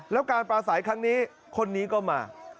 แล้วการปลาใสครั้งนี้คนนี้ก็มา